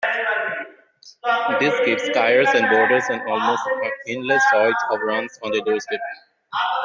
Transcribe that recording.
This gives skiers and boarders an almost endless choice of runs on their doorstep.